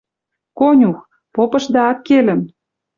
Конюх! Попышда аккелым —